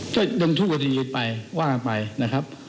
ก็ยังทุกวัฒนีไปว่างไปนะครับ